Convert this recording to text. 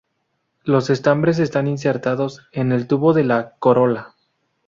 Los estambres están insertados en el tubo de la corola.